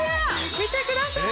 見てください！